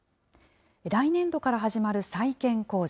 来年度から始まる再建工事。